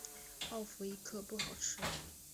泡芙一颗不好吃